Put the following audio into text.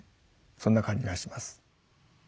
そんな感じがします。